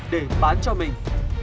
để bán cho mình